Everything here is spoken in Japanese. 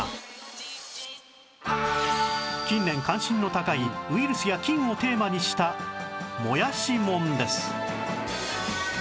近年関心の高いウイルスや菌をテーマにした『もやしもん』です